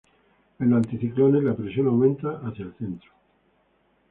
En los anticiclones la presión aumenta hacia el centro.